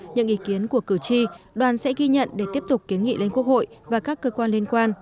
những ý kiến của cử tri đoàn sẽ ghi nhận để tiếp tục kiến nghị lên quốc hội và các cơ quan liên quan